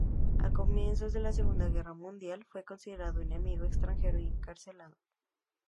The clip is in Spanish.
A comienzos de la Segunda Guerra Mundial fue considerado enemigo extranjero y encarcelado.